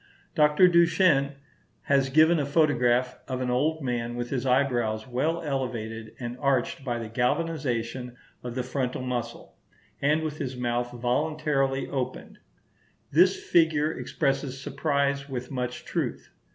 Dr. Duchenne has given a photograph of an old man with his eyebrows well elevated and arched by the galvanization of the frontal muscle; and with his mouth voluntarily opened. This figure expresses surprise with much truth.